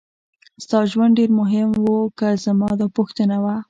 ستا ژوند ډېر مهم و که زما دا پوښتنه وه.